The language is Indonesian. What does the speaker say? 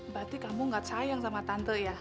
berarti kamu gak sayang sama tante ya